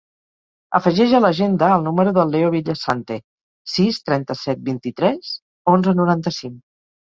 Afegeix a l'agenda el número del Leo Villasante: sis, trenta-set, vint-i-tres, onze, noranta-cinc.